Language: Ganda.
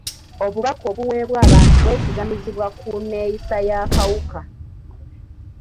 Obubaka obuweebwa abantu bwesigamizibwa ku nneeyisa y'akawuka.